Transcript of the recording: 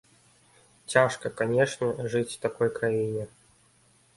Цяжка, канечне, жыць у такой краіне.